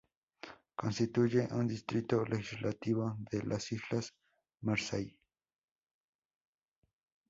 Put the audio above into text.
Constituye un distrito legislativo de las Islas Marshall.